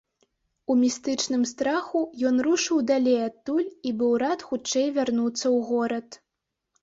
У містычным страху ён рушыў далей адтуль і быў рад хутчэй вярнуцца ў горад.